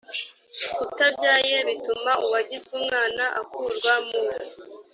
utabyaye bituma uwagizwe umwana akurwa mu